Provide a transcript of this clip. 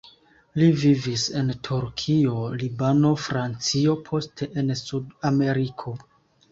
Li vivis en Turkio, Libano, Francio, poste en Sud-Ameriko.